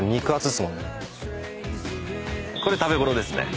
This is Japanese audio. これ食べごろですね。